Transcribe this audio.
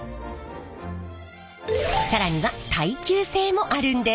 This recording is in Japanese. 更には耐久性もあるんです！